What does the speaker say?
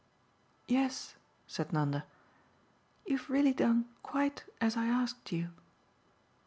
"Yes," said Nanda, "you've really done quite as I asked you."